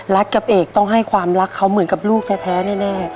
กับเอกต้องให้ความรักเขาเหมือนกับลูกแท้แน่